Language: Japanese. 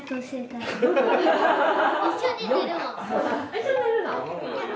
一緒に寝るの？